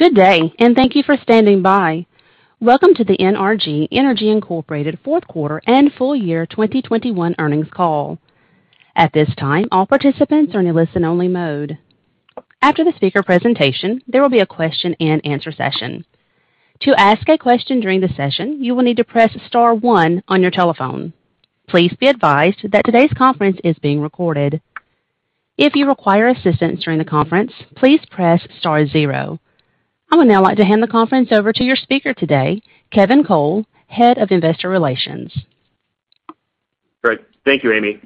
Good day, and thank you for standing by. Welcome to the NRG Energy, Inc. Q4 and Full Year 2021 Earnings Call. At this time, all participants are in listen-only mode. After the speaker presentation, there will be a question-and-answer session. To ask a question during the session, you will need to press star one on your telephone. Please be advised that today's conference is being recorded. If you require assistance during the conference, please press star zero. I would now like to hand the conference over to your speaker today, Kevin Cole, Head of Investor Relations. Great. Thank you, Amy.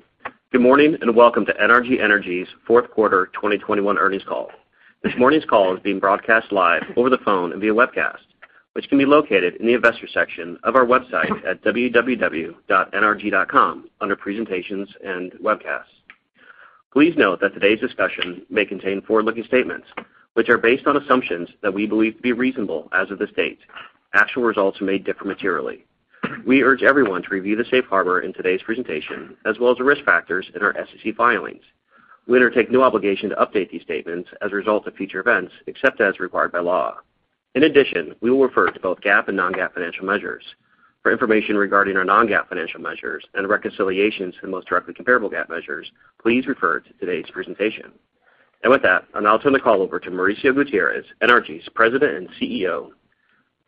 Good morning, and welcome to NRG Energy's Q4 2021 Earnings Call. This morning's call is being broadcast live over the phone and via webcast, which can be located in the investor section of our website at www.nrg.com under presentations and webcasts. Please note that today's discussion may contain forward-looking statements, which are based on assumptions that we believe to be reasonable as of this date. Actual results may differ materially. We urge everyone to review the safe harbor in today's presentation, as well as the risk factors in our SEC filings. We undertake no obligation to update these statements as a result of future events, except as required by law. In addition, we will refer to both GAAP and non-GAAP financial measures. For information regarding our non-GAAP financial measures and reconciliations to the most directly comparable GAAP measures, please refer to today's presentation. With that, I'll now turn the call over to Mauricio Gutierrez, NRG's President and CEO.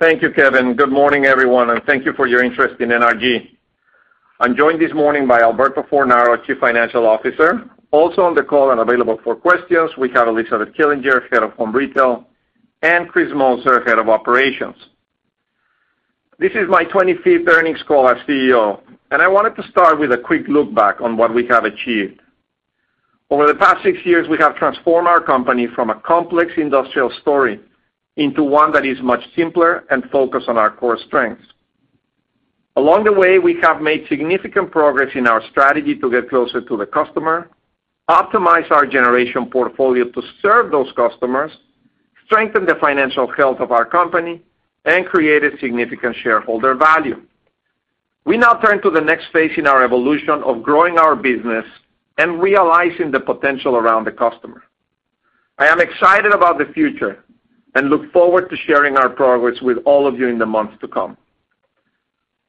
Thank you, Kevin. Good morning, everyone, and thank you for your interest in NRG. I'm joined this morning by Alberto Fornaro, Chief Financial Officer. Also on the call and available for questions, we have Elizabeth Killinger, Head of Home Retail, and Chris Moser, Head of Operations. This is my 25th earnings call as CEO, and I wanted to start with a quick look back on what we have achieved. Over the past 6 years, we have transformed our company from a complex industrial story into one that is much simpler and focused on our core strengths. Along the way, we have made significant progress in our strategy to get closer to the customer, optimize our generation portfolio to serve those customers, strengthen the financial health of our company, and create a significant shareholder value. We now turn to the next phase in our evolution of growing our business and realizing the potential around the customer. I am excited about the future and look forward to sharing our progress with all of you in the months to come.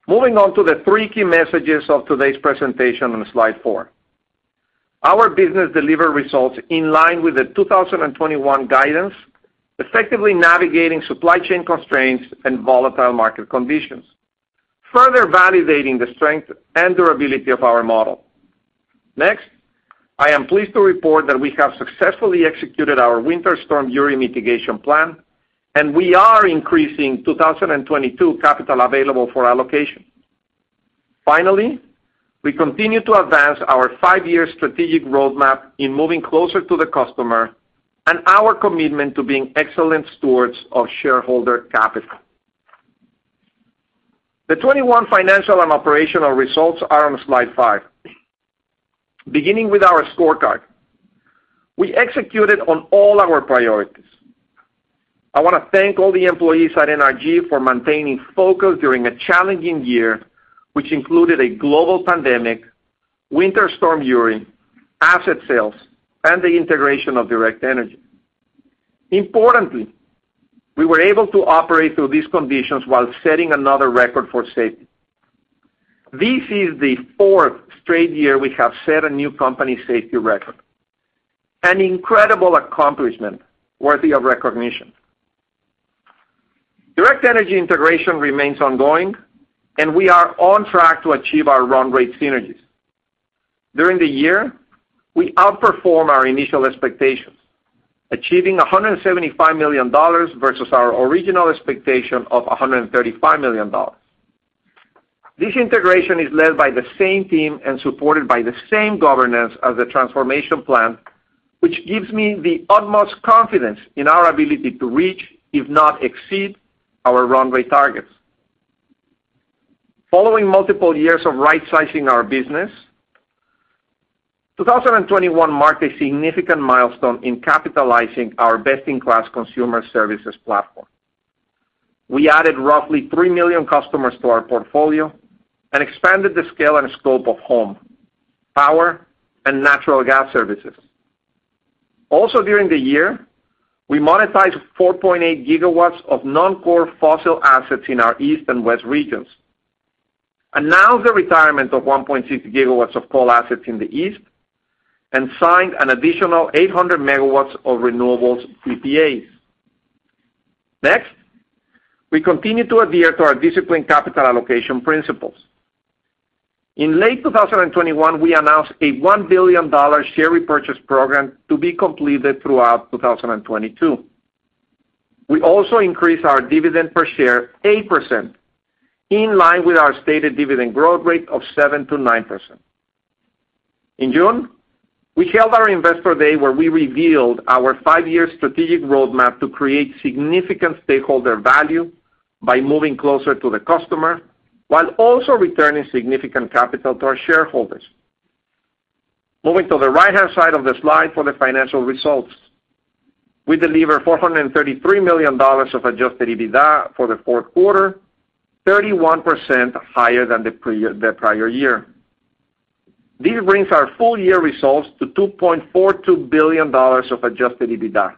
Moving on to the 3 key messages of today's presentation on slide 4. Our business delivered results in line with the 2021 guidance, effectively navigating supply chain constraints and volatile market conditions, further validating the strength and durability of our model. Next, I am pleased to report that we have successfully executed our Winter Storm Uri mitigation plan, and we are increasing 2022 capital available for allocation. Finally, we continue to advance our 5-year strategic roadmap in moving closer to the customer and our commitment to being excellent stewards of shareholder capital. The 2021 financial and operational results are on slide 5. Beginning with our scorecard. We executed on all our priorities. I want to thank all the employees at NRG for maintaining focus during a challenging year, which included a global pandemic, Winter Storm Uri, asset sales, and the integration of Direct Energy. Importantly, we were able to operate through these conditions while setting another record for safety. This is the 4th straight year we have set a new company safety record, an incredible accomplishment worthy of recognition. Direct Energy integration remains ongoing, and we are on track to achieve our run rate synergies. During the year, we outperformed our initial expectations, achieving $175 million versus our original expectation of $135 million. This integration is led by the same team and supported by the same governance as the transformation plan, which gives me the utmost confidence in our ability to reach, if not exceed, our runway targets. Following multiple years of right-sizing our business, 2021 marked a significant milestone in capitalizing our best-in-class consumer services platform. We added roughly 3 million customers to our portfolio and expanded the scale and scope of home, power, and natural gas services. Also, during the year, we monetized 4.8 GW of non-core fossil assets in our east and west regions, announced the retirement of 1.6 GW of coal assets in the east, and signed an additional 800 MW of renewables PPAs. Next, we continue to adhere to our disciplined capital allocation principles. In late 2021, we announced a $1 billion share repurchase program to be completed throughout 2022. We also increased our dividend per share 8%, in line with our stated dividend growth rate of 7%-9%. In June, we held our Investor Day, where we revealed our five-year strategic roadmap to create significant stakeholder value by moving closer to the customer while also returning significant capital to our shareholders. Moving to the right-hand side of the slide for the financial results. We delivered $433 million of adjusted EBITDA for the Q4, 31% higher than the prior year. This brings our full year results to $2.42 billion of adjusted EBITDA.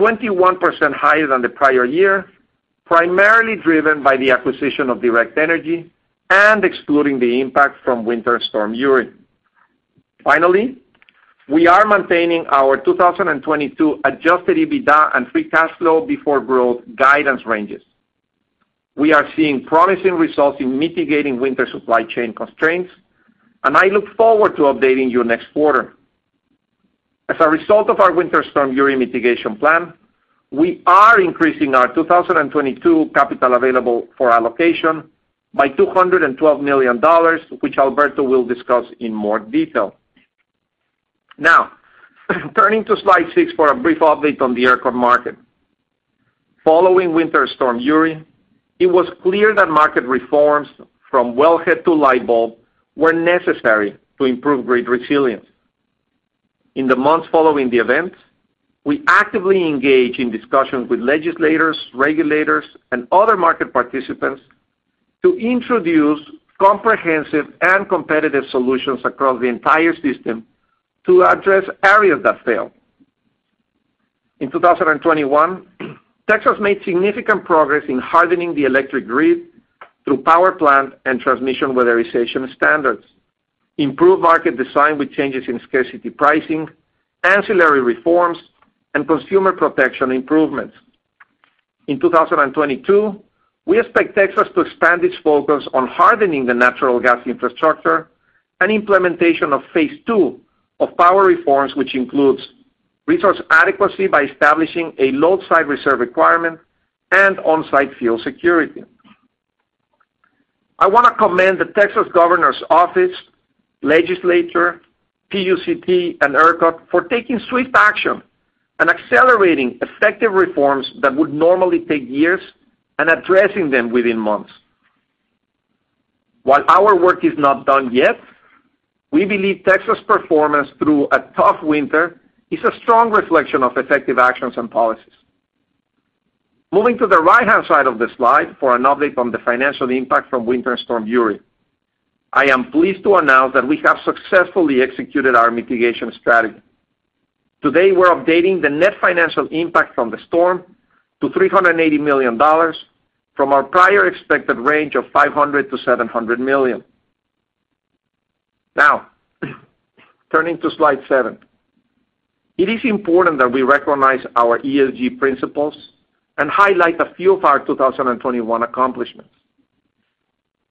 21% higher than the prior year, primarily driven by the acquisition of Direct Energy and excluding the impact from Winter Storm Uri. Finally, we are maintaining our 2022 adjusted EBITDA and free cash flow before growth guidance ranges. We are seeing promising results in mitigating winter supply chain constraints, and I look forward to updating you next quarter. As a result of our Winter Storm Uri mitigation plan, we are increasing our 2022 capital available for allocation by $212 million, which Alberto will discuss in more detail. Now, turning to slide 6 for a brief update on the ERCOT market. Following Winter Storm Uri, it was clear that market reforms from wellhead to light bulb were necessary to improve grid resilience. In the months following the event, we actively engaged in discussions with legislators, regulators, and other market participants to introduce comprehensive and competitive solutions across the entire system to address areas that failed. In 2021, Texas made significant progress in hardening the electric grid through power plant and transmission weatherization standards, improved market design with changes in scarcity pricing, ancillary reforms, and consumer protection improvements. In 2022, we expect Texas to expand its focus on hardening the natural gas infrastructure and implementation of phase 2 of power reforms, which includes resource adequacy by establishing a load side reserve requirement and on-site fuel security. I want to commend the Texas Governor's Office, Legislature, PUCT, and ERCOT for taking swift action and accelerating effective reforms that would normally take years and addressing them within months. While our work is not done yet, we believe Texas' performance through a tough winter is a strong reflection of effective actions and policies. Moving to the right-hand side of the slide for an update on the financial impact from Winter Storm Uri. I am pleased to announce that we have successfully executed our mitigation strategy. Today, we're updating the net financial impact from the storm to $380 million from our prior expected range of $500 million-700 million. Now, turning to slide 7. It is important that we recognize our ESG principles and highlight a few of our 2021 accomplishments.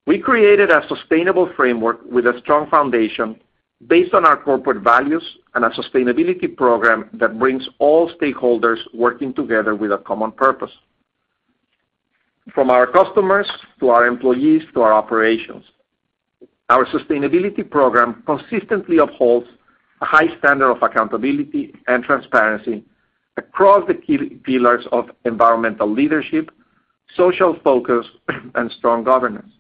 We created a sustainable framework with a strong foundation based on our corporate values and a sustainability program that brings all stakeholders working together with a common purpose. From our customers to our employees to our operations, our sustainability program consistently upholds a high standard of accountability and transparency across the key pillars of environmental leadership, social focus, and strong governance.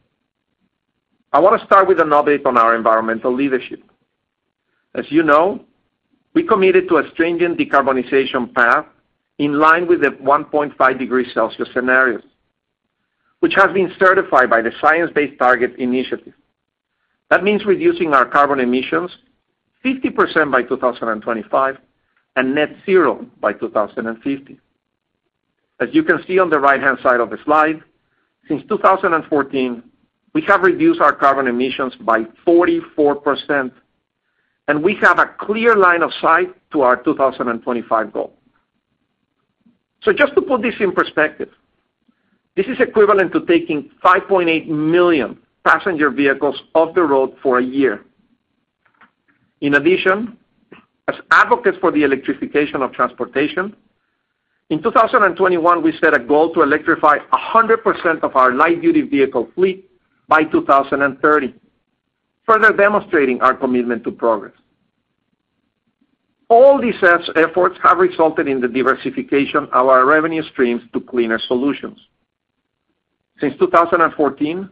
I want to start with an update on our environmental leadership. As you know, we committed to a stringent decarbonization path in line with the 1.5-degree Celsius scenarios, which have been certified by the Science Based Targets initiative. That means reducing our carbon emissions 50% by 2025 and net zero by 2050. As you can see on the right-hand side of the slide, since 2014, we have reduced our carbon emissions by 44%, and we have a clear line of sight to our 2025 goal. Just to put this in perspective, this is equivalent to taking 5.8 million passenger vehicles off the road for a year. In addition, as advocates for the electrification of transportation, in 2021, we set a goal to electrify 100% of our light-duty vehicle fleet by 2030, further demonstrating our commitment to progress. All these efforts have resulted in the diversification of our revenue streams to cleaner solutions. Since 2014,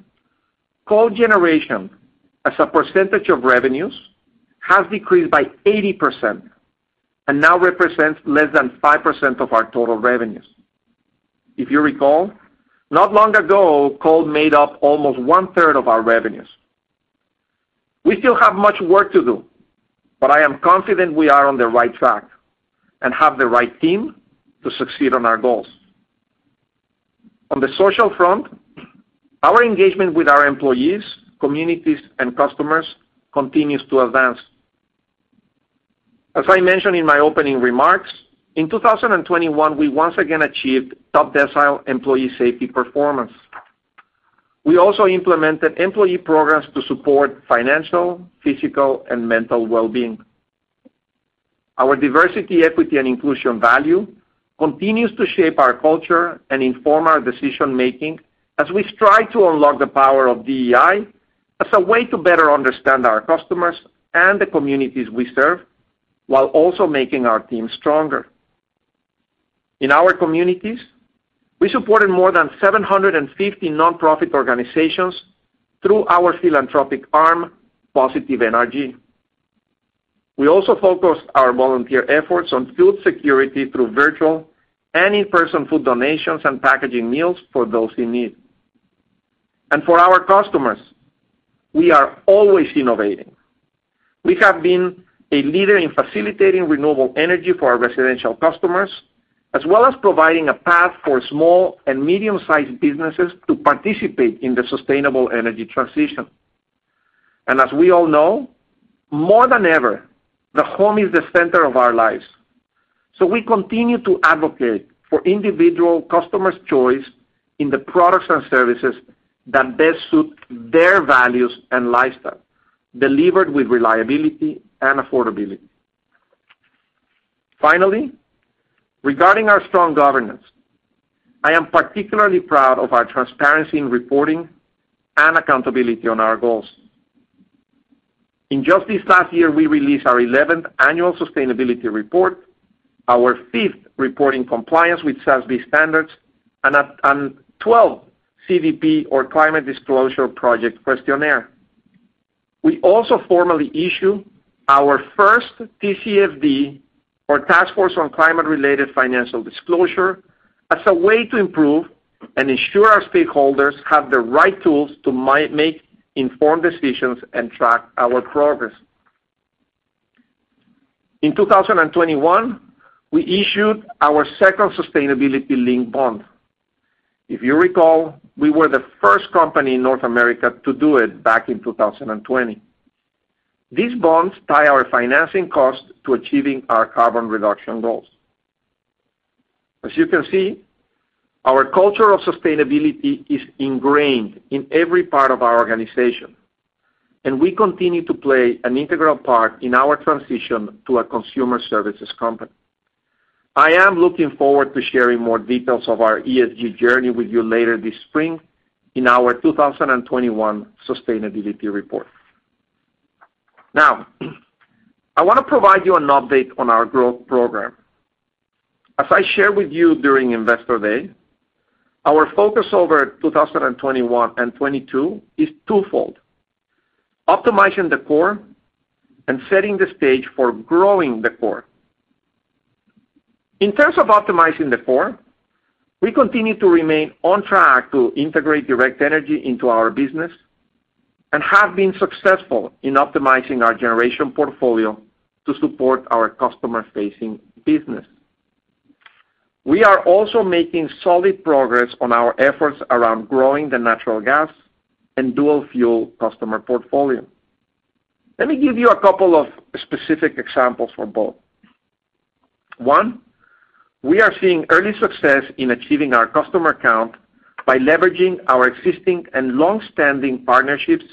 coal generation as a percentage of revenues has decreased by 80% and now represents less than 5% of our total revenues. If you recall, not long ago, coal made up almost 1/3 of our revenues. We still have much work to do, but I am confident we are on the right track and have the right team to succeed on our goals. On the social front, our engagement with our employees, communities, and customers continues to advance. As I mentioned in my opening remarks, in 2021, we once again achieved top decile employee safety performance. We also implemented employee programs to support financial, physical, and mental well-being. Our diversity, equity, and inclusion value continues to shape our culture and inform our decision-making as we strive to unlock the power of DEI as a way to better understand our customers and the communities we serve, while also making our team stronger. In our communities, we supported more than 750 nonprofit organizations through our philanthropic arm, positiveNRG. We also focused our volunteer efforts on food security through virtual and in-person food donations and packaging meals for those in need. For our customers, we are always innovating. We have been a leader in facilitating renewable energy for our residential customers, as well as providing a path for small and medium-sized businesses to participate in the sustainable energy transition. And as we all know, more than ever, the home is the center of our lives. We continue to advocate for individual customers' choice in the products and services that best suit their values and lifestyle, delivered with reliability and affordability. Finally, regarding our strong governance, I am particularly proud of our transparency in reporting and accountability on our goals. In just this last year, we released our eleventh annual sustainability report, our 5th report in compliance with SASB standards, and twelfth CDP or Carbon Disclosure Project questionnaire. We also formally issue our first TCFD or Task Force on Climate-related Financial Disclosure as a way to improve and ensure our stakeholders have the right tools to make informed decisions and track our progress. In 2021, we issued our second sustainability linked bond. If you recall, we were the first company in North America to do it back in 2020. These bonds tie our financing cost to achieving our carbon reduction goals. As you can see, our culture of sustainability is ingrained in every part of our organization, and we continue to play an integral part in our transition to a consumer services company. I am looking forward to sharing more details of our ESG journey with you later this spring in our 2021 sustainability report. Now, I wanna provide you an update on our growth program. As I shared with you during Investor Day, our focus over 2021 and 2022 is 2 fold: optimizing the core and setting the stage for growing the core. In terms of optimizing the core, we continue to remain on track to integrate Direct Energy into our business and have been successful in optimizing our generation portfolio to support our customer-facing business. We are also making solid progress on our efforts around growing the natural gas and dual-fuel customer portfolio. Let me give you a couple of specific examples for both. One, we are seeing early success in achieving our customer count by leveraging our existing and long-standing partnerships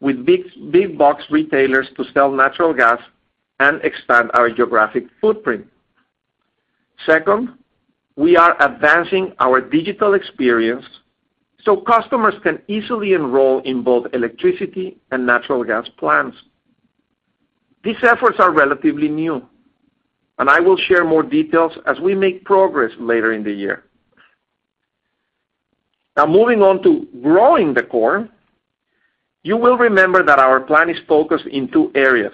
with big-box retailers to sell natural gas and expand our geographic footprint. Second, we are advancing our digital experience so customers can easily enroll in both electricity and natural gas plans. These efforts are relatively new, and I will share more details as we make progress later in the year. Now moving on to growing the core, you will remember that our plan is focused in 2 areas: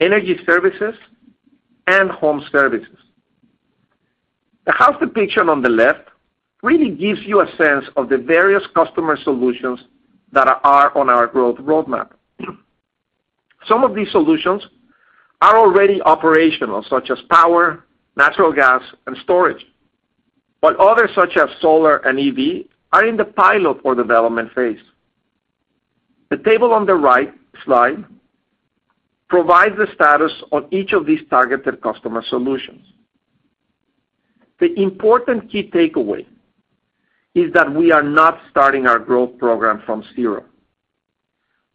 energy services and home services. The house depiction on the left really gives you a sense of the various customer solutions that are on our growth roadmap. Some of these solutions are already operational, such as power, natural gas, and storage. While others, such as solar and EV, are in the pilot or development phase. The table on the right slide provides the status on each of these targeted customer solutions. The important key takeaway is that we are not starting our growth program from zero.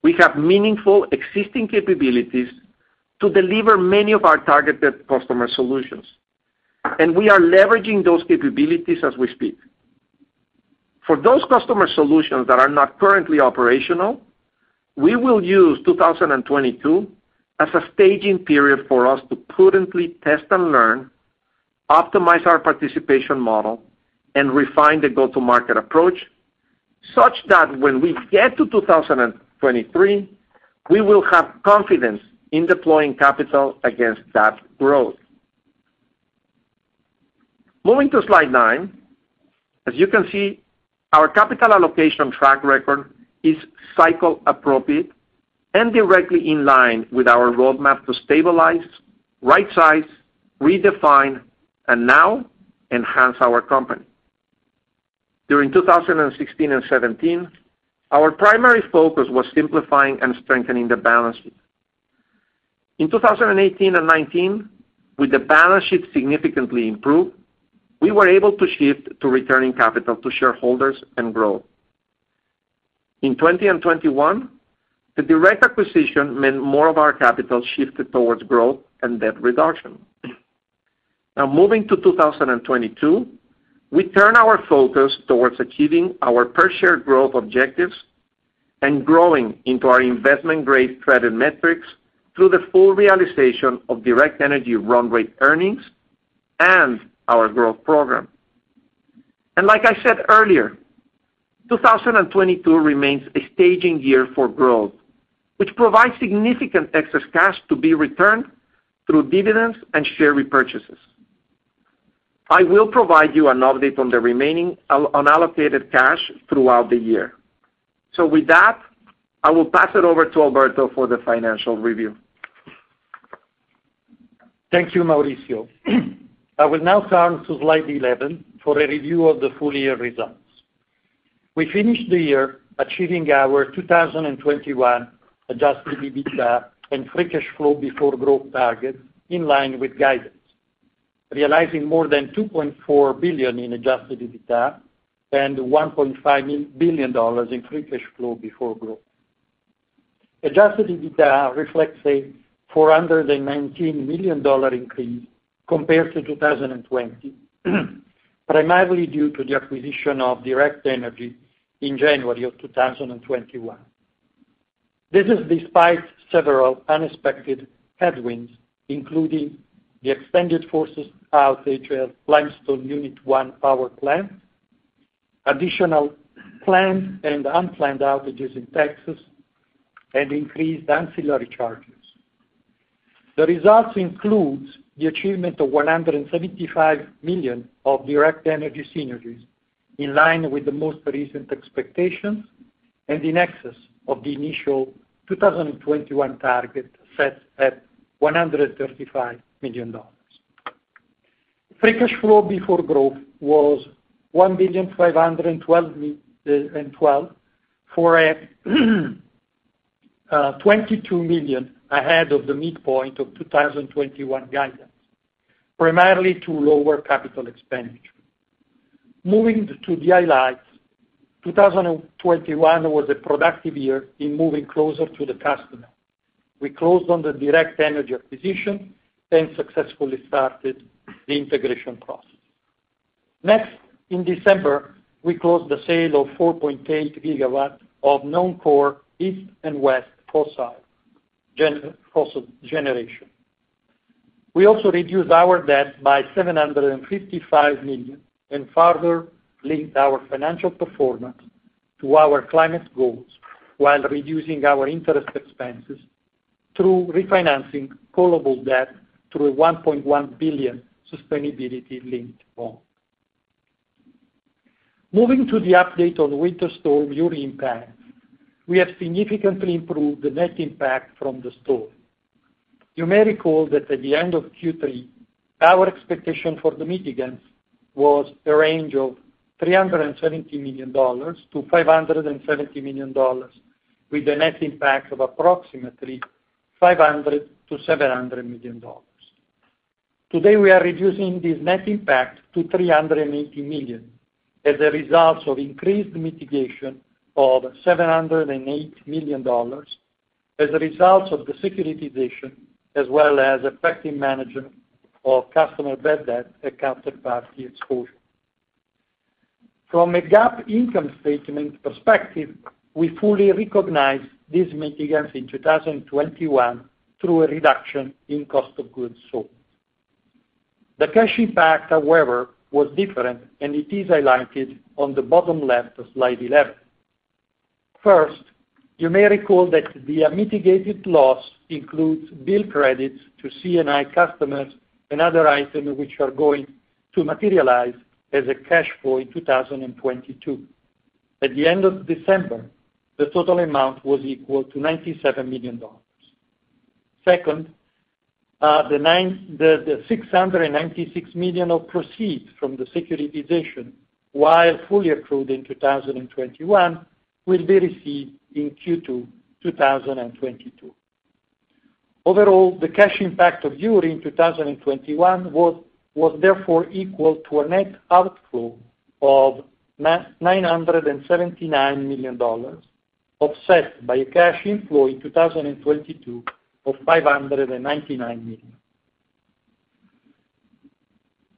We have meaningful existing capabilities to deliver many of our targeted customer solutions, and we are leveraging those capabilities as we speak. For those customer solutions that are not currently operational, we will use 2022 as a staging period for us to prudently test and learn, optimize our participation model, and refine the go-to-market approach, such that when we get to 2023, we will have confidence in deploying capital against that growth. Moving to slide 9. As you can see, our capital allocation track record is cycle appropriate and directly in line with our roadmap to stabilize, rightsize, redefine, and now enhance our company. During 2016 and 2017, our primary focus was simplifying and strengthening the balance sheet. In 2018 and 2019, with the balance sheet significantly improved, we were able to shift to returning capital to shareholders and grow. In 2020 and 2021, the Direct acquisition meant more of our capital shifted towards growth and debt reduction. Now moving to 2022, we turn our focus towards achieving our per-share growth objectives and growing into our investment-grade credit metrics through the full realization of Direct Energy run rate earnings and our growth program. Like I said earlier, 2022 remains a staging year for growth, which provides significant excess cash to be returned through dividends and share repurchases. I will provide you an update on the remaining unallocated cash throughout the year. With that, I will pass it over to Alberto for the financial review. Thank you, Mauricio. I will now turn to slide 11 for a review of the full year results. We finished the year achieving our 2021 adjusted EBITDA and free cash flow before growth targets in line with guidance, realizing more than $2.4 billion in adjusted EBITDA and $1.5 billion in free cash flow before growth. Adjusted EBITDA reflects a $419 million increase compared to 2020. Primarily due to the acquisition of Direct Energy in January 2021. This is despite several unexpected headwinds, including the extended forced outage at Limestone Unit 1 power plant, additional planned and unplanned outages in Texas, and increased ancillary charges. The results include the achievement of $175 million of Direct Energy synergies in line with the most recent expectations and in excess of the initial 2021 target set at $135 million. Free cash flow before growth was $1.512 billion, $22 million ahead of the midpoint of 2021 guidance, primarily due to lower capital expenditure. Moving to the highlights, 2021 was a productive year in moving closer to the customer. We closed on the Direct Energy acquisition and successfully started the integration process. Next, in December, we closed the sale of 4.8 GW of non-core east and west fossil generation. We also reduced our debt by $755 million and further linked our financial performance to our climate goals while reducing our interest expenses through refinancing callable debt through a $1.1 billion sustainability-linked bond. Moving to the update on Winter Storm Uri impact, we have significantly improved the net impact from the storm. You may recall that at the end of Q3, our expectation for the mitigants was a range of $370 million-570 million, with a net impact of approximately $500 million-700 million. Today, we are reducing this net impact to $380 million as a result of increased mitigation of $708 million as a result of the securitization as well as effective management of customer bad debt and counterparty exposure. From a GAAP income statement perspective, we fully recognize these mitigants in 2021 through a reduction in cost of goods sold. The cash impact, however, was different, and it is highlighted on the bottom left of slide 11. First, you may recall that the unmitigated loss includes bill credits to C&I customers and other items which are going to materialize as a cash flow in 2022. At the end of December, the total amount was equal to $97 million. Second, the $696 million of proceeds from the securitization, while fully accrued in 2021, will be received in Q2 2022. Overall, the cash impact of Uri in 2021 was therefore equal to a net outflow of $979 million, offset by a cash inflow in 2022 of $599 million.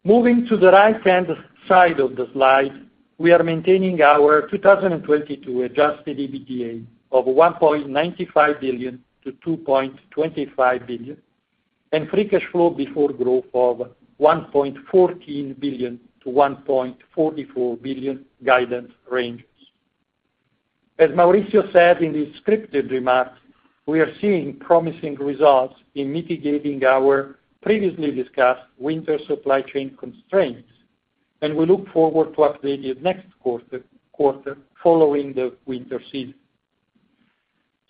Moving to the right-hand side of the slide, we are maintaining our 2022 adjusted EBITDA of $1.95 billion-2.25 billion, and free cash flow before growth of $1.14 billion-1.44 billion guidance ranges. As Mauricio said in his scripted remarks, we are seeing promising results in mitigating our previously discussed winter supply chain constraints, and we look forward to updating next quarter following the winter season.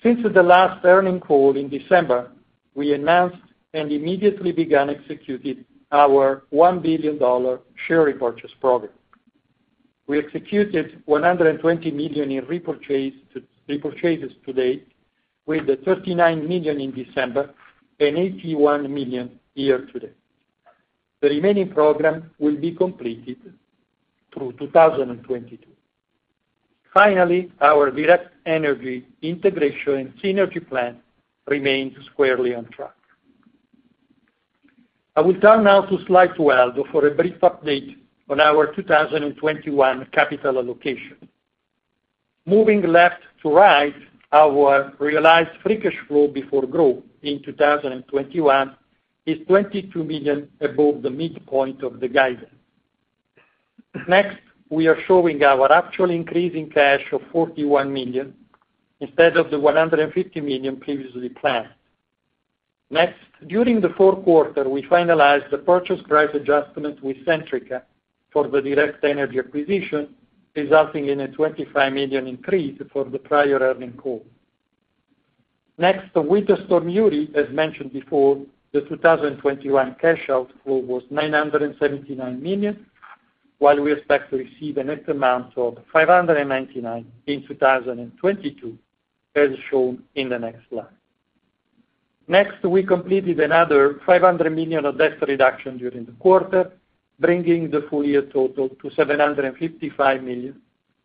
Since the last earnings call in December, we announced and immediately began executing our $1 billion share repurchase program. We executed $120 million in repurchases to date, with the $39 million in December and $81 million year to date. The remaining program will be completed through 2022. Finally, our Direct Energy integration and synergy plan remains squarely on track. I will turn now to slide 12 for a brief update on our 2021 capital allocation. Moving left to right, our realized free cash flow before growth in 2021 is $22 million above the midpoint of the guidance. Next, we are showing our actual increase in cash of $41 million instead of the $150 million previously planned. Next, during the Q4, we finalized the purchase price adjustment with Centrica for the Direct Energy acquisition, resulting in a $25 million increase for the prior earnings call. Next, the Winter Storm Uri, as mentioned before, the 2021 cash outflow was $979 million, while we expect to receive a net amount of $599 million in 2022, as shown in the next slide. Next, we completed another $500 million of debt reduction during the quarter, bringing the full year total to $755 million,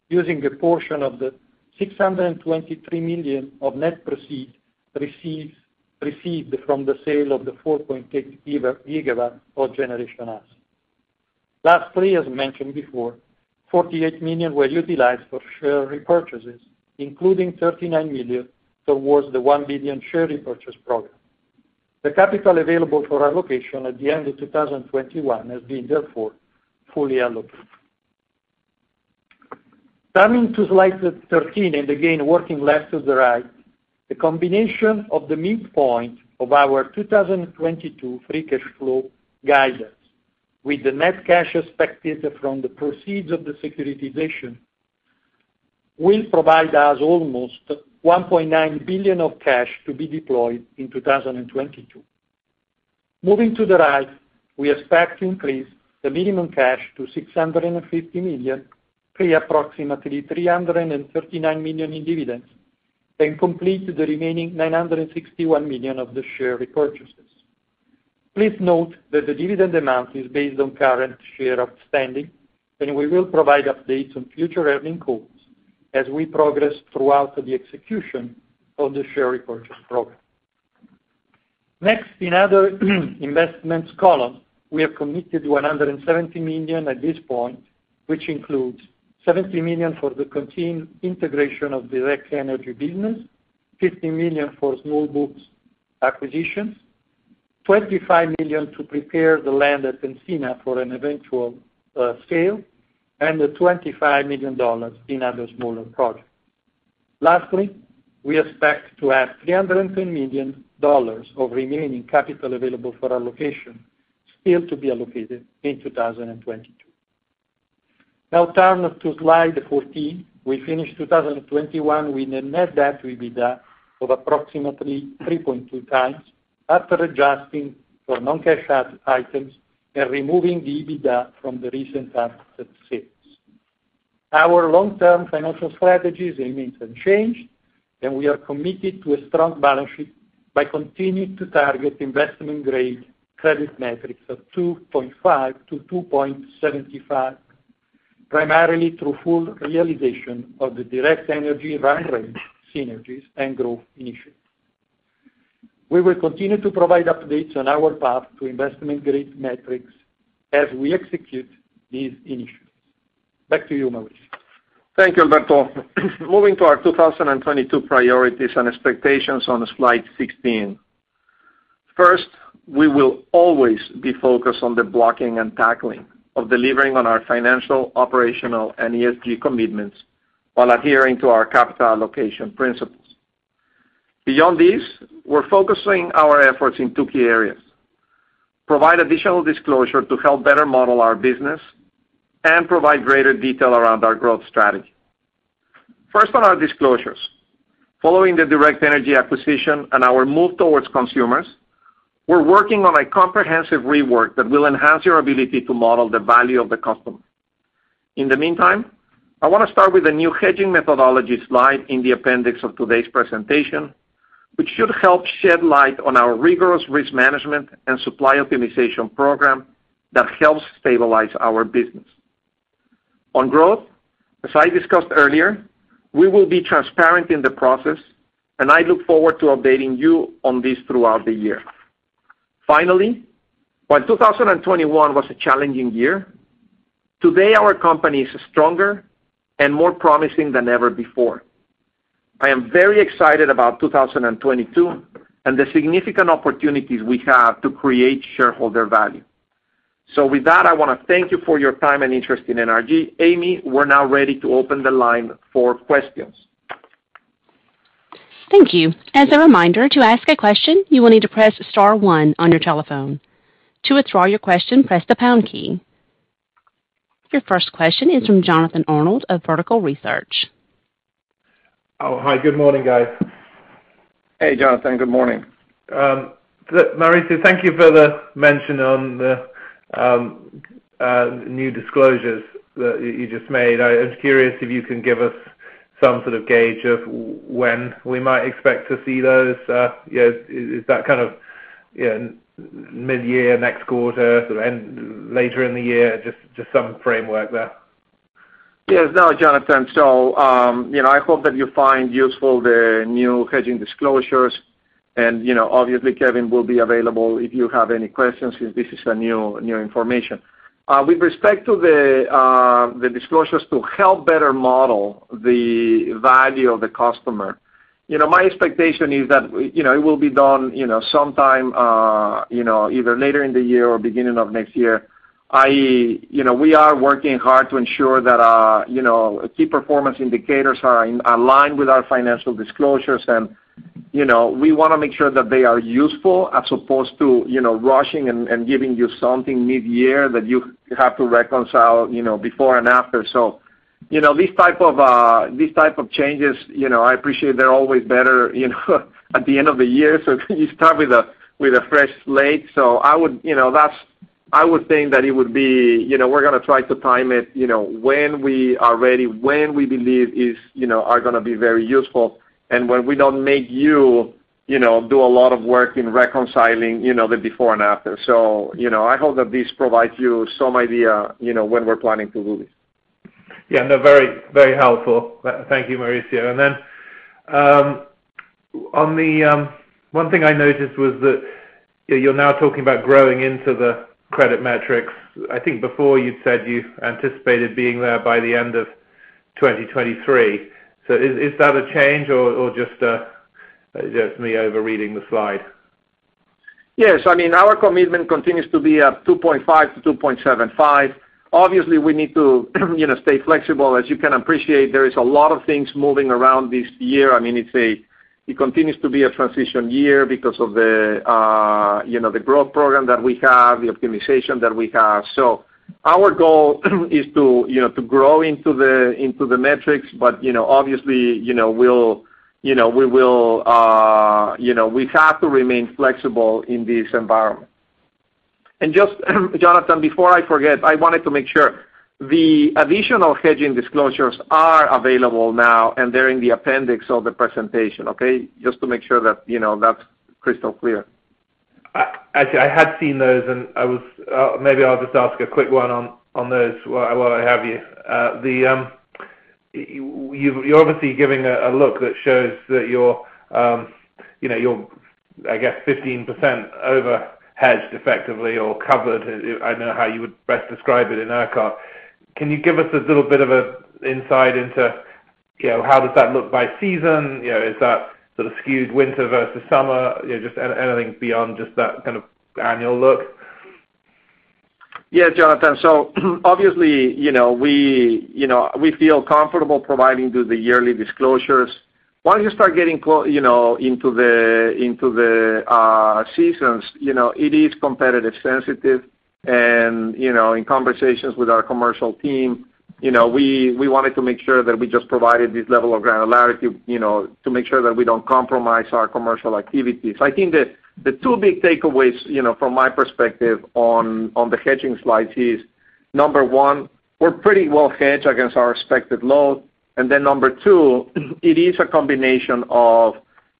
using a portion of the $623 million of net proceeds received from the sale of the 4.8 GW of generation assets. Lastly, as mentioned before, $48 million were utilized for share repurchases, including $39 million towards the $1 billion share repurchase program. The capital available for allocation at the end of 2021 has therefore been fully allocated. Turning to slide 13, again working left to the right, the combination of the midpoint of our 2022 free cash flow guidance with the net cash expected from the proceeds of the securitization will provide us almost $1.9 billion of cash to be deployed in 2022. Moving to the right, we expect to increase the minimum cash to $650 million, pay approximately $339 million in dividends, then complete the remaining $961 million of the share repurchases. Please note that the dividend amount is based on current shares outstanding, and we will provide updates on future earnings calls as we progress throughout the execution of the share repurchase program. Next, in other investments column, we have committed $170 million at this point, which includes $70 million for the continued integration of Direct Energy business, $15 million for small books acquisitions, $25 million to prepare the land at Encina for an eventual sale, and the $25 million in other smaller projects. Lastly, we expect to have $310 million of remaining capital available for allocation still to be allocated in 2022. Now turning to slide 14. We finished 2021 with a net debt to EBITDA of approximately 3.2 times after adjusting for non-cash items and removing the EBITDA from the recent asset sales. Our long-term financial strategies remains unchanged, and we are committed to a strong balance sheet by continuing to target investment-grade credit metrics of 2.5-2.75, primarily through full realization of the Direct Energy right-sizing synergies and growth initiatives. We will continue to provide updates on our path to investment-grade metrics as we execute these initiatives. Back to you, Mauricio. Thank you, Alberto. Moving to our 2022 priorities and expectations on slide 16. First, we will always be focused on the blocking and tackling of delivering on our financial, operational, and ESG commitments while adhering to our capital allocation principles. Beyond these, we're focusing our efforts in 2 key areas: provide additional disclosure to help better model our business and provide greater detail around our growth strategy. First on our disclosures. Following the Direct Energy acquisition and our move towards consumers, we're working on a comprehensive rework that will enhance your ability to model the value of the customer. In the meantime, I want to start with a new hedging methodology slide in the appendix of today's presentation, which should help shed light on our rigorous risk management and supply optimization program that helps stabilize our business. On growth, as I discussed earlier, we will be transparent in the process, and I look forward to updating you on this throughout the year. Finally, while 2021 was a challenging year, today our company is stronger and more promising than ever before. I am very excited about 2022 and the significant opportunities we have to create shareholder value. With that, I want to thank you for your time and interest in NRG. Amy, we're now ready to open the line for questions. Thank you. As a reminder to ask a question, you will need to press star one on your telephone. To withdraw your question, press the pound key. Your first question is from Jonathan Arnold of Vertical Research Partners. Oh, hi, good morning, guys. Hey, Jonathan. Good morning. Mauricio, thank you for the mention on the new disclosures that you just made. I'm curious if you can give us some sort of gauge of when we might expect to see those. Is that kind of midyear, next quarter, sort of later in the year? Just some framework there. Yes. No, Jonathan. You know, I hope that you find the new hedging disclosures useful. You know, obviously Kevin will be available if you have any questions, since this is new information. With respect to the disclosures to help better model the value of the customer, my expectation is that it will be done sometime either later in the year or beginning of next year we are working hard to ensure that our key performance indicators are aligned with our financial disclosures. We want to make sure that they are useful as opposed to rushing and giving you something mid-year that you have to reconcile before and after these type of changes I appreciate they're always better at the end of the year you start with a fresh slate. I would think that it would be we're gonna try to time it when we are ready when we believe is are gonna be very useful, and when we don't make do a lot of work in reconciling the before and after. I hope that this provides you some idea when we're planning to do this. Yeah. No, very, very helpful. Thank you, Mauricio. On the one thing I noticed was that you're now talking about growing into the credit metrics. I think before you'd said you anticipated being there by the end of 2023. Is that a change or just me overreading the slide? Yes. I mean, our commitment continues to be at 2.5-2.75. Obviously, we need to stay flexible. As you can appreciate, there is a lot of things moving around this year it continues to be a transition year because of the growth program that we have, the optimization that we have. Our goal is to to grow into the metrics but obviously we have to remain flexible in this environment. Just, Jonathan, before I forget, I wanted to make sure the additional hedging disclosures are available now, and they're in the appendix of the presentation, okay? Just to make sure that, you know, that's crystal clear. Actually I had seen those. Maybe I'll just ask a quick one on those while I have you. You're obviously giving a look that shows that you're, I guess 15% over hedged effectively or covered. I don't know how you would best describe it in ERCOT. Can you give us a little bit of a insight into how does that look by season? Is that sort of skewed winter versus summer? Just anything beyond just that kind of annual look. Yeah, Jonathan. Obviously, we feel comfortable providing you the yearly disclosures. Once you start getting into the seasons it is competitively sensitive in conversations with our commercial team we wanted to make sure that we just provided this level of granularity to make sure that we don't compromise our commercial activities. I think the two big takeaways from my perspective on the hedging slides is, number one, we're pretty well hedged against our expected load. Then number two, it is a combination of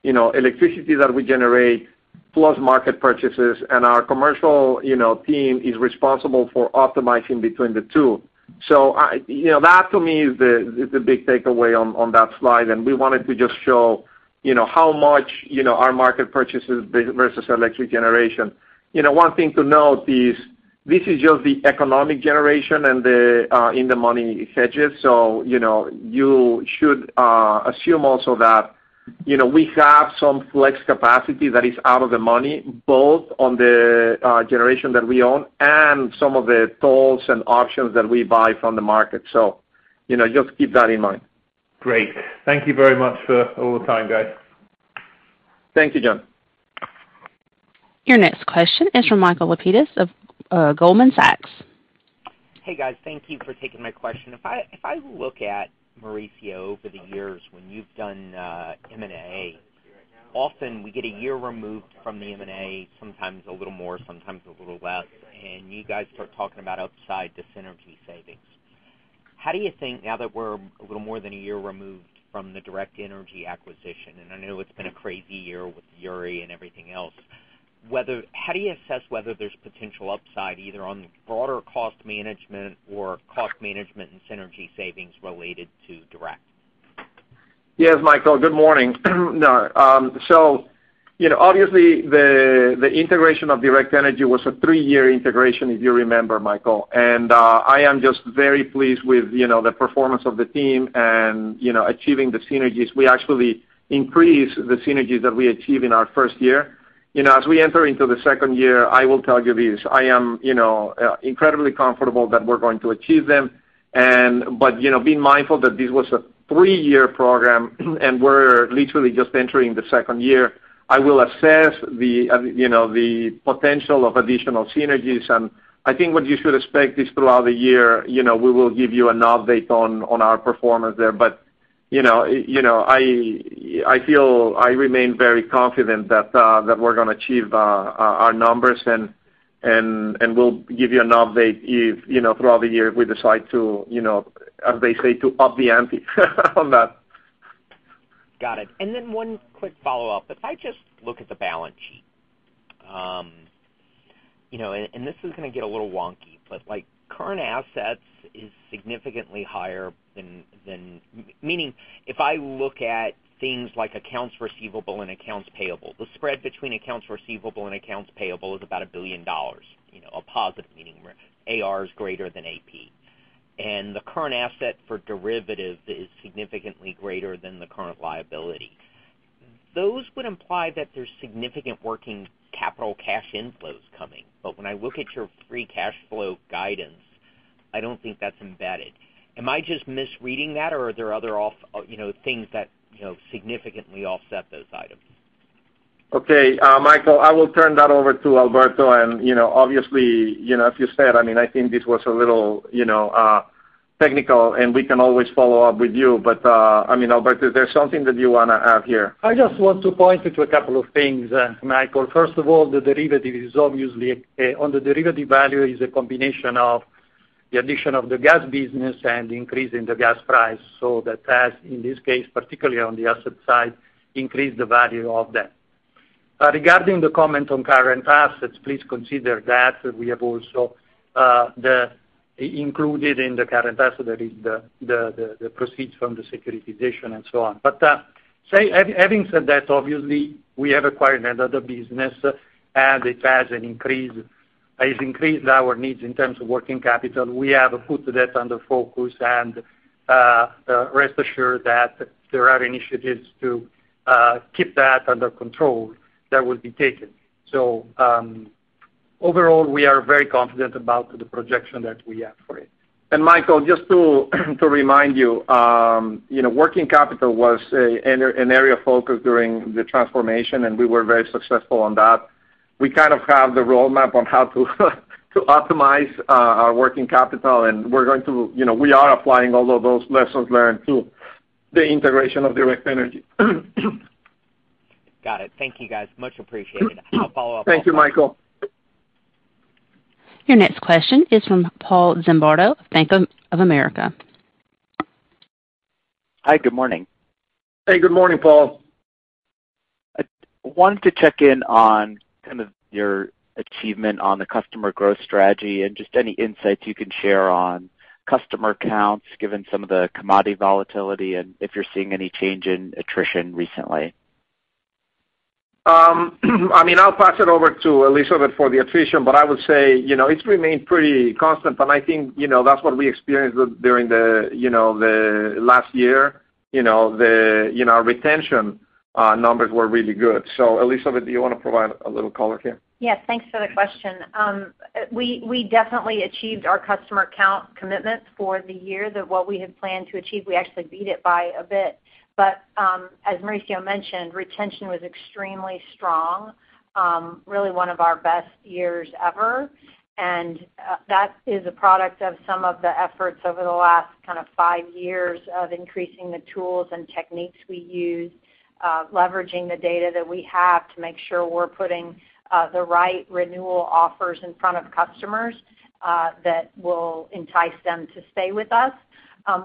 electricity that we generate plus market purchases and our commercial team is responsible for optimizing between the two so, that to me is the big takeaway on that slide. We wanted to just show how much our market purchases versus electric generation. One thing to note is this is just the economic generation and the in the money hedges so, you should assume also that we have some flex capacity that is out of the money, both on the generation that we own and some of the tolls and options that we buy from the market so, just keep that in mind. Great. Thank you very much for all the time, guys. Thank you, John. Your next question is from Michael Lapides of Goldman Sachs. Hey, guys. Thank you for taking my question. If I look at Mauricio over the years when you've done M&A, often we get a year removed from the M&A, sometimes a little more, sometimes a little less, and you guys start talking about upside the synergy savings. How do you think now that we're a little more than a year removed from the Direct Energy acquisition, and I know it's been a crazy year with Uri and everything else, how do you assess whether there's potential upside either on the broader cost management or cost management and synergy savings related to Direct? Yes, Michael, good morning. So obviously the integration of Direct Energy was a 3-year integration, if you remember, Michael. I am just very pleased with the performance of the team and achieving the synergies. We actually increased the synergies that we achieved in our first year and as we enter into the second year, I will tell you this, I am incredibly comfortable that we're going to achieve them. Being mindful that this was a 3-year program, and we're literally just entering the second year. I will assess the potential of additional synergies. I think what you should expect is throughout the year we will give you an update on our performance there but I feel I remain very confident that we're gonna achieve our numbers and e'll give you an update throughout the year we decide to, as they say, to up the ante on that. Got it. One quick follow-up. If I just look at the balance sheet, and this is gonna get a little wonky, but like current assets is significantly higher than. Meaning if I look at things like accounts receivable and accounts payable, the spread between accounts receivable and accounts payable is about $1 billion a positive, meaning AR is greater than AP. The current asset for derivative is significantly greater than the current liability. Those would imply that there's significant working capital cash inflows coming. When I look at your free cash flow guidance, I don't think that's embedded. Am I just misreading that, or are there other things that, you know, significantly offset those items? Okay. Michael, I will turn that over to Alberto and obviously as you said, I think this was a little technical, and we can always follow up with you. Alberto, is there something that you wanna add here? I just want to point you to a couple of things, Michael. First of all, the derivative value is a combination of the addition of the gas business and increase in the gas price. That has, in this case, particularly on the asset side, increased the value of that. Regarding the comment on current assets, please consider that we have also included in the current asset, that is the proceeds from the securitization and so on. Having said that, obviously we have acquired another business and it has increased our needs in terms of working capital. We have put that under focus and rest assured that there are initiatives to keep that under control that will be taken. Overall, we are very confident about the projection that we have for it. Michael, just to remind working capital was an area of focus during the transformation, and we were very successful on that. We kind of have the roadmap on how to optimize our working capital, and we are applying all of those lessons learned to the integration of Direct Energy. Got it. Thank you, guys. Much appreciated. I'll follow up. Thank you, Michael. Your next question is from Paul Zimbardo, Bank of America. Hi. Good morning. Hey, good morning, Paul. I wanted to check in on kind of your achievement on the customer growth strategy and just any insights you can share on customer counts given some of the commodity volatility and if you're seeing any change in attrition recently? I'll pass it over to Elizabeth for the attrition, but I would say it's remained pretty constant, but I think that's what we experienced during last year the, our retention numbers were really good. Elizabeth, do you wanna provide a little color here? Yes, thanks for the question. We definitely achieved our customer count commitments for the year than what we had planned to achieve, we actually beat it by a bit. As Mauricio mentioned, retention was extremely strong, really one of our best years ever and that is a product of some of the efforts over the last kind of five years of increasing the tools and techniques we use, leveraging the data that we have to make sure we're putting the right renewal offers in front of customers that will entice them to stay with us.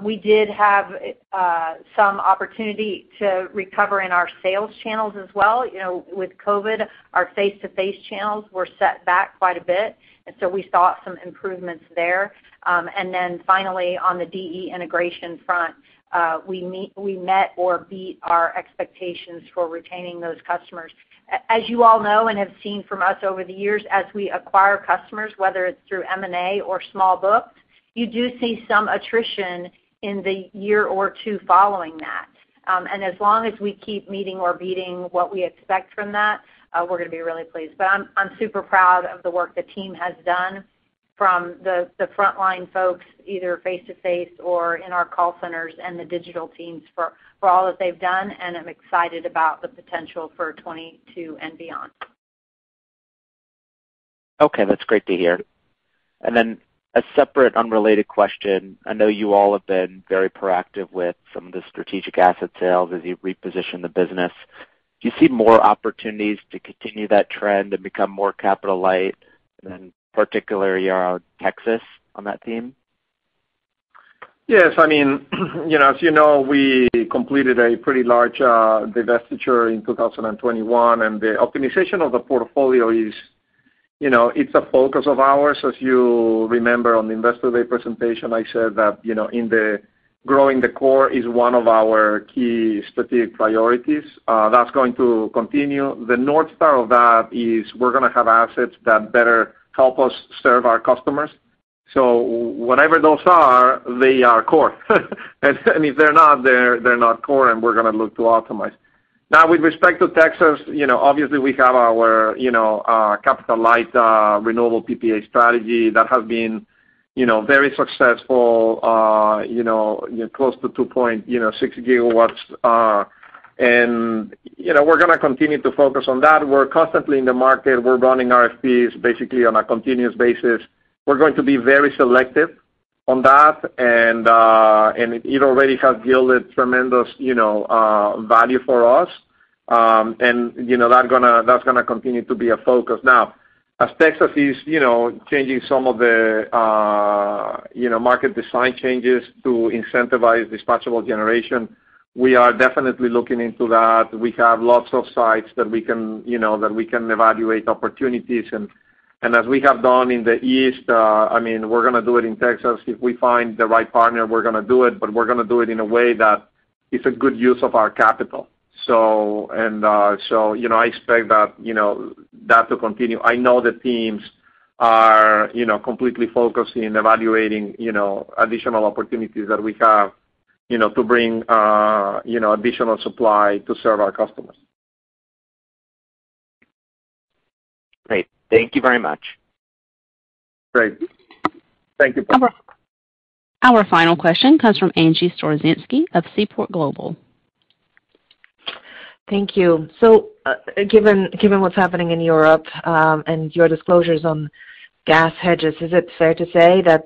We did have some opportunity to recover in our sales channels as well with COVID, our face-to-face channels were set back quite a bit, and so we saw some improvements there. Finally on the DE integration front, we met or beat our expectations for retaining those customers. As you all know and have seen from us over the years, as we acquire customers, whether it's through M&A or small books, you do see some attrition in the year or two following that. As long as we keep meeting or beating what we expect from that, we're gonna be really pleased. I'm super proud of the work the team has done from the frontline folks, either face to face or in our call centers and the digital teams for all that they've done, and I'm excited about the potential for 2022 and beyond. Okay. That's great to hear. A separate, unrelated question. I know you all have been very proactive with some of the strategic asset sales as you reposition the business. Do you see more opportunities to continue that trend and become more capital light, and in particular, Texas on that theme? Yes. As you know, we completed a pretty large divestiture in 2021, and the optimization of the portfolio is, it's a focus of ours. As you remember on the Investor Day presentation, I said that, in the growing the core is one of our key strategic priorities, that's going to continue. The north star of that is we're gonna have assets that better help us serve our customers. Whatever those are, they are core. If they're not, they're not core, and we're gonna look to optimize. Now with respect to Texas, obviously we have our capital light renewable PPA strategy that has been very successful close to 2.6 GW. We're gonna continue to focus on that. We're constantly in the market. We're running RFPs basically on a continuous basis. We're going to be very selective on that, and it already has yielded tremendous value for us that's gonna continue to be a focus. Now, as Texas is changing some of the market design changes to incentivize dispatchable generation. We are definitely looking into that. We have lots of sites that we can evaluate opportunities and as we have done in the East, we're gonna do it in Texas. If we find the right partner, we're gonna do it, but we're gonna do it in a way that is a good use of our capital. I expect that that to continue. I know the teams are completely focused on evaluating additional opportunities that we have to bring additional supply to serve our customers. Great. Thank you very much. Great. Thank you. Our final question comes from Angie Storozynski of Seaport Global. Thank you. Given what's happening in Europe, and your disclosures on gas hedges, is it fair to say that,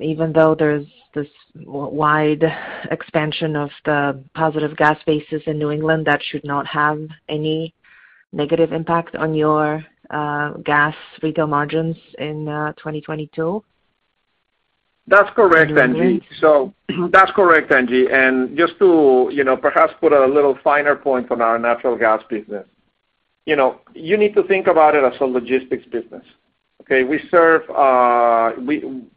even though there's this wide expansion of the positive gas bases in New England, that should not have any negative impact on your gas retail margins in 2022? That's correct, Angie. Just to perhaps put a little finer point on our natural gas business. You need to think about it as a logistics business, okay? We serve.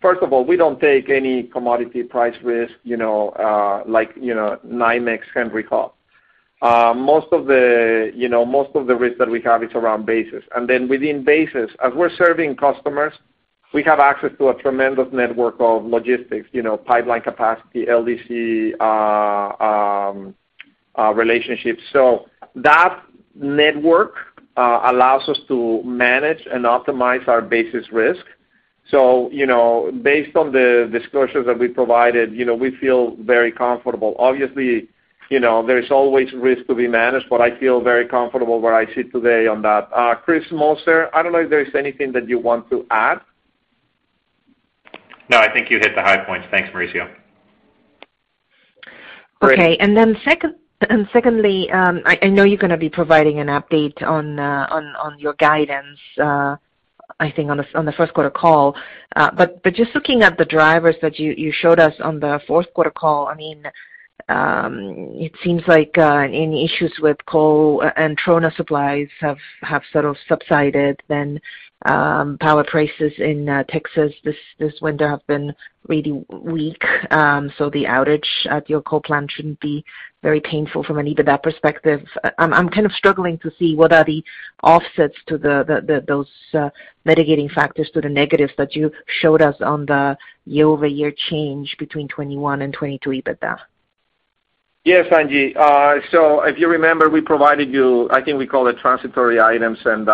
First of all, we don't take any commodity price risk like NYMEX Henry Hub. Most of the risk that we have is around basis. Then within basis, as we're serving customers, we have access to a tremendous network of logistics pipeline capacity, LDC relationships. That network allows us to manage and optimize our basis risk based on the disclosures that we provided, you know, we feel very comfortable. Obviously, there is always risk to be managed, but I feel very comfortable where I sit today on that. Chris Moser, I don't know if there is anything that you want to add. No, I think you hit the high points. Thanks, Mauricio. Okay. Secondly, I know you're gonna be providing an update on your guidance, I think on the Q1 call. Just looking at the drivers that you showed us on the Q4 call, I mean, it seems like any issues with coal and Trona supplies have sort of subsided. Power prices in Texas this winter have been really weak. The outage at your coal plant shouldn't be very painful from an EBITDA perspective. I'm kind of struggling to see what are the offsets to those mitigating factors to the negatives that you showed us on the year-over-year change between 2021 and 2022 EBITDA. Yes, Angie. So if you remember, we provided you. I think we call it transitory items on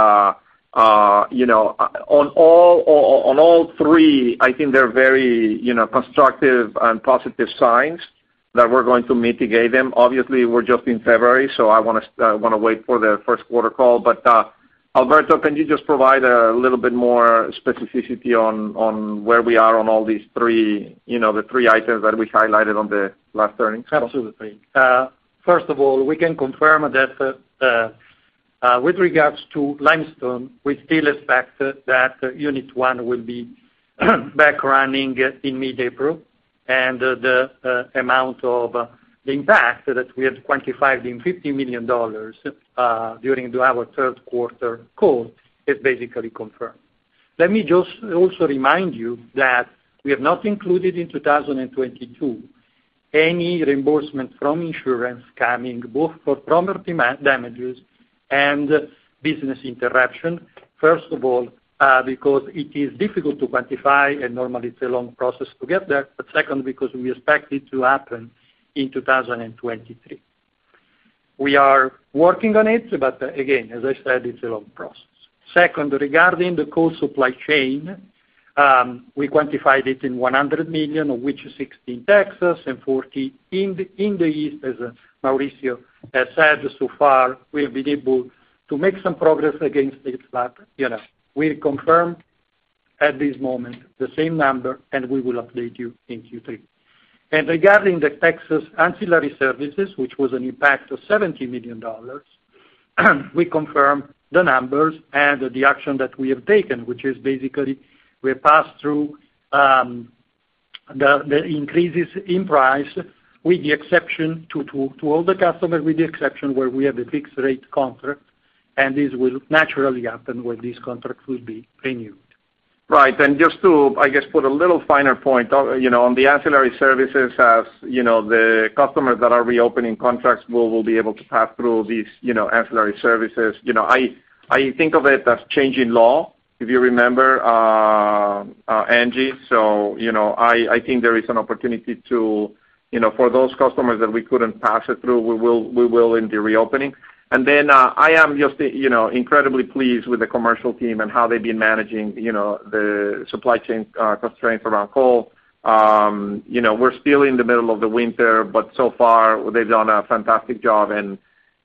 all 3, I think they're very constructive and positive signs that we're going to mitigate them. Obviously, we're just in February, so I wanna wait for the Q1 call. Alberto, can you just provide a little bit more specificity on where we are on all these 3, the 3 items that we highlighted on the last earnings? Absolutely. First of all, we can confirm that, with regards to Limestone, we still expect that Unit 1 will be back running in mid-April and the amount of the impact that we have quantified in $50 million during our Q3 call is basically confirmed. Let me just also remind you that we have not included in 2022 any reimbursement from insurance coming, both for property damages and business interruption. First of all, because it is difficult to quantify, and normally it's a long process to get there. Second, because we expect it to happen in 2023. We are working on it, but again, as I said, it's a long process. Second, regarding the coal supply chain, we quantified it in $100 million, of which $60 million in Texas and $40 million in the East. As Mauricio has said, so far we have been able to make some progress against it, but we confirm at this moment the same number, and we will update you in Q3. Regarding the Texas ancillary services, which was an impact of $70 million, we confirm the numbers and the action that we have taken, which is basically we pass through the increases in price with the exception to all the customers, with the exception where we have a fixed rate contract, and this will naturally happen when this contract will be renewed. Right. Just to, I guess, put a little finer point on the ancillary services, as the customers that are reopening contracts will be able to pass through these ancillary services. I think of it as change in law, if you remember, Angie so, I think there is an opportunity to for those customers that we couldn't pass it through, we will in the reopening. I am just incredibly pleased with the commercial team and how they've been managing the supply chain constraints around coal we're still in the middle of the winter, but so far they've done a fantastic job and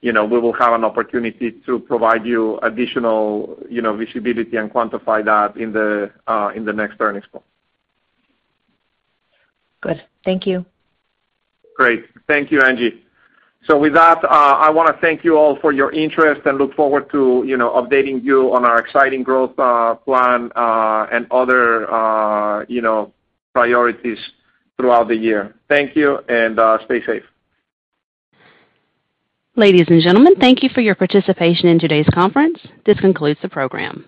we will have an opportunity to provide you additional visibility and quantify that in the next earnings call. Good. Thank you. Great. Thank you, Angie. With that, I wanna thank you all for your interest and look forward to updating you on our exciting growth plan, and other priorities throughout the year. Thank you, and stay safe. Ladies and gentlemen, thank you for your participation in today's conference. This concludes the program.